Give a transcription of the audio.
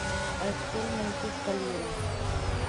Actualmente está libre.